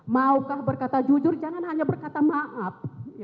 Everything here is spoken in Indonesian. maukah berkata jujur jangan hanya berkata maaf